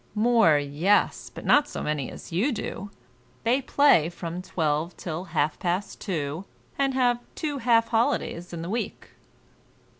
"More; yes, but not so many as you do. They play from twelve till half past two, and have two half holidays in the week."